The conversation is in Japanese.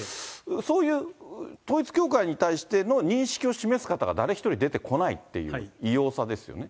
そういう統一教会に対しての認識を示す方が誰一人出てこないっていう異様さですよね。